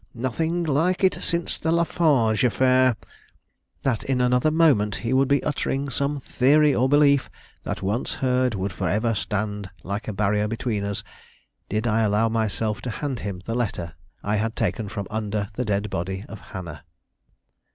Nothing like it since the Lafarge affair!" that in another moment he would be uttering some theory or belief that once heard would forever stand like a barrier between us, did I allow myself to hand him the letter I had taken from under the dead body of Hannah.